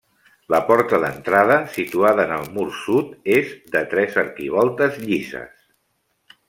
La porta d'entrada, situada en el mur sud, és de tres arquivoltes llises.